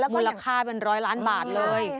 มูลค่าเป็นร้อยล้านบาทเลย